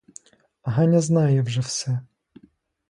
Ганя знає вже все.